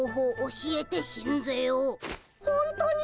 ほんとに！？